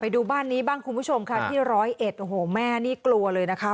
ดูบ้านนี้บ้างคุณผู้ชมค่ะที่ร้อยเอ็ดโอ้โหแม่นี่กลัวเลยนะคะ